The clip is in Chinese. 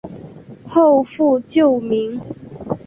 后复旧名。